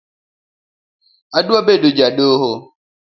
Adwa bedo jadoho